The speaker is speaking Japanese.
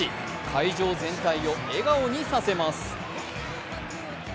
会場全体を笑顔にさせます。